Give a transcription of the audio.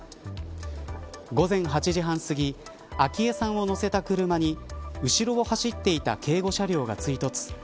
午前８時半すぎ昭恵さんを乗せた車に後ろを走っていた警護車両が追突。